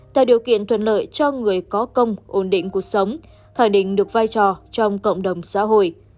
tạo điều kiện thuận lợi cho người có công ổn định cuộc sống khẳng định được vai trò trong cộng đồng xã hội